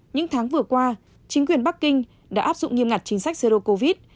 những tháng vừa qua chính quyền bắc kinh đã áp dụng nghiêm ngặt chính sách zero covid